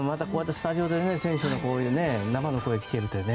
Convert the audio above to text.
スタジオで選手たちの生の声を聞けるのはね。